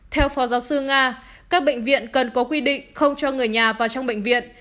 theo phó giáo sư nga các bệnh viện cần có quy định không cho người nhà vào trong bệnh viện